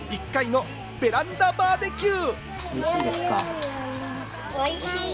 月１回のベランダバーベキュー。